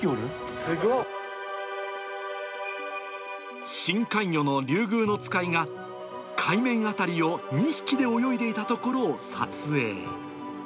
すごい！深海魚のリュウグウノツカイが、海面辺りを２匹で泳いでいたところを撮影。